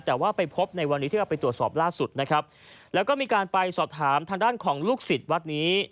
แต่ว่าไปพบในวันนี้ที่เราไปตรวจสอบล่าสุดนะครับแล้วก็มีการไปสอบถามทางด้านของลูกศิษย์วัดนี้